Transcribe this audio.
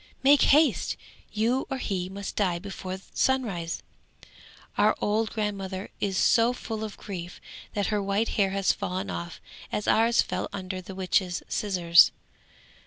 Make haste! you or he must die before sunrise! Our old grandmother is so full of grief that her white hair has fallen off as ours fell under the witch's scissors.